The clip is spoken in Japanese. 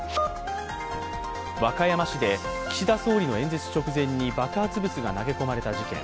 和歌山市で岸田総理の演説直前に爆発物が投げ込まれた事件。